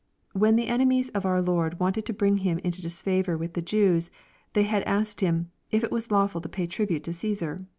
When the enemies of our Lord wanted to bring Him into disfavor with the Jews, they had asked Him "if it was lawful to pay tribute unto Caesar.'